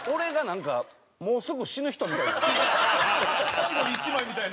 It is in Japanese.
最後の１枚みたいな。